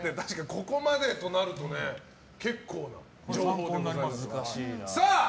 ここまでとなるとね結構な情報でございます。